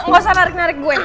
gak usah narik narik gue